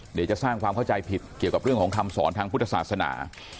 เดี๋ยวจะสร้างความเข้าใจผิดเกี่ยวกับเรื่องของคำสอนทางพุทธศาสนา